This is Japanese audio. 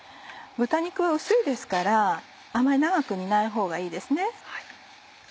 豚肉は薄いですからあまり長く煮ないほうがいいですね。